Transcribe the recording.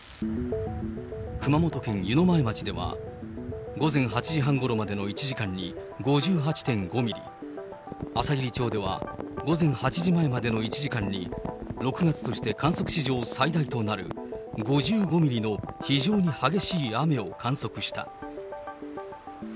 熊本県湯前町では、午前８時半ごろまでの１時間に５８．５ミリ、あさぎり町では午前８時前までの１時間に６月として観測史上最大となる５５ミリの非常に激しい雨を観測した。